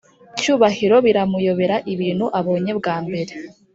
cyubahiro biramuyobera ibintu abonye bwambere